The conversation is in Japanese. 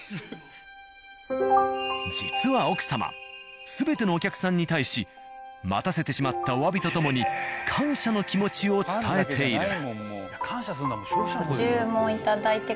実は奥様全てのお客さんに対し待たせてしまったお詫びとともに感謝の気持ちを伝えている。